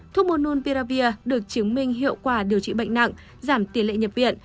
thuốc mononpiravir được chứng minh hiệu quả điều trị bệnh nặng giảm tiền lệ nhập viện